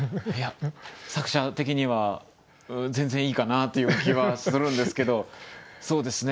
作者的には全然いいかなという気はするんですけどそうですね